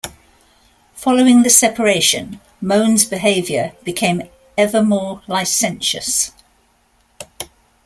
Following the separation, Mohun's behaviour became ever more licentious.